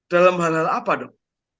dalam hal hal apa dok